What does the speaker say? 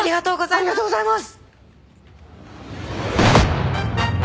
ありがとうございます！